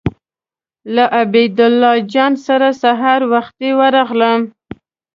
له عبیدالله جان سره سهار وختي ورغلم.